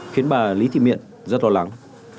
khiến bà lý thị miện rất lo lắng